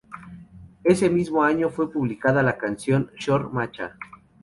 Ese mismo año fue publicada la canción "Shor Macha".